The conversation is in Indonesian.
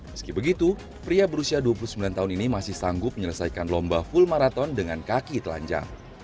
meski begitu pria berusia dua puluh sembilan tahun ini masih sanggup menyelesaikan lomba full maraton dengan kaki telanjang